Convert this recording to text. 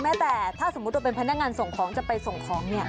แม้แต่ถ้าสมมุติเราเป็นพนักงานส่งของจะไปส่งของ